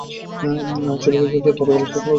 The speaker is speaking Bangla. ছবির জন্য তরোয়াল খেলাও শিখতে হবে।